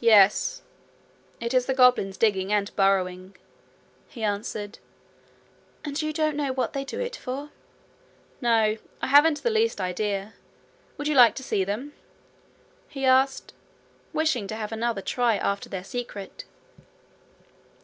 'Yes. It is the goblins digging and burrowing,' he answered. 'And you don't know what they do it for?' 'No; I haven't the least idea. Would you like to see them?' he asked, wishing to have another try after their secret.